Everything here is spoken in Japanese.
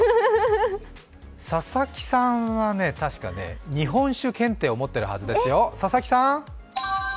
佐々木さんは確かね、日本酒検定を持っているはずですよ、佐々木さん！